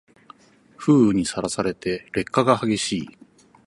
雨風にさらされて劣化が激しい